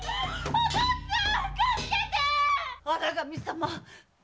お父っつぁん！